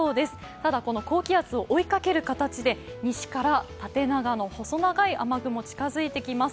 ただ、この高気圧を追いかける形で西から縦長の細長い雨雲が近づいてきます。